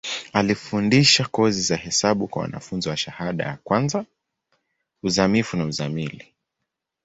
Alifundisha kozi za hesabu kwa wanafunzi wa shahada ka kwanza, uzamivu na uzamili.